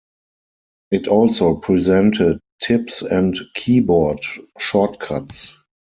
It also presented tips and keyboard shortcuts.